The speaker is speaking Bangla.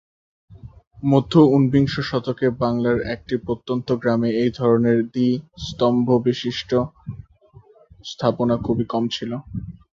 মধ্য ঊনবিংশ শতকে বাংলার একটি প্রত্যন্ত গ্রামে এই ধরনের দ্বী-স্তম্ভবিশিষ্ট্য স্থাপনা খুবই কম ছিল।